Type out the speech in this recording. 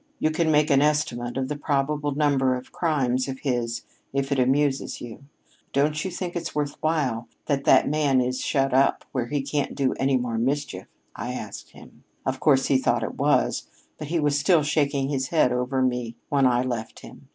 You can make an estimate of the probable number of crimes of his if it amuses you. 'Don't you think it's worth while if that man is shut up where he can't do any more mischief?' I asked him. Of course he thought it was; but he was still shaking his head over me when I left him.